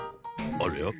ありゃ？